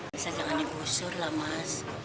bisa jangan digusur lah mas